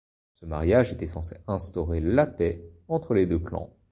Ce mariage était censé instaurer la paix entre les deux clans.